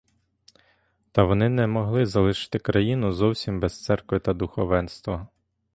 Та вони не могли залишити країну зовсім без церкви та духовенства.